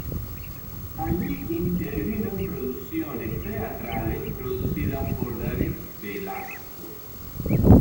Allí intervino en producciones teatrales producidas por David Belasco.